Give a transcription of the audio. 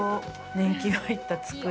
年季が入った机。